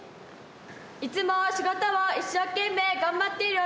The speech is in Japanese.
いつも仕事を一生懸命頑張っているお父さん。